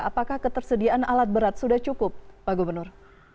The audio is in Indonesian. apakah ketersediaan alat berat sudah cukup pak gubernur